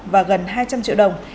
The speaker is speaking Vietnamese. và gần hai trăm linh triệu đồng